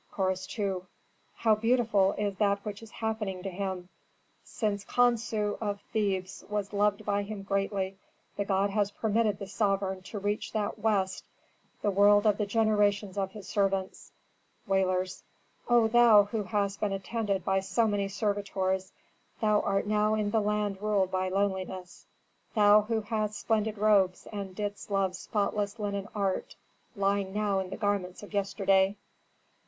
Chorus II. "How beautiful is that which is happening to him! Since Khonsu of Thebes was loved by him greatly, the god has permitted the sovereign to reach that west, the world of the generations of his servants." Wailers. "O thou who hast been attended by so many servitors, thou art now in the land ruled by loneliness. Thou who hadst splendid robes and didst love spotless linen art lying now in the garments of yesterday!"